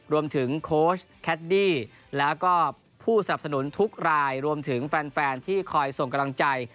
โค้ชแคดดี้แล้วก็ผู้สนับสนุนทุกรายรวมถึงแฟนที่คอยส่งกำลังใจ